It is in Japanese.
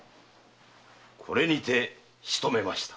これにてしとめました。